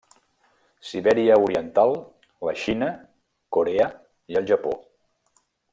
Sibèria oriental, la Xina, Corea i el Japó.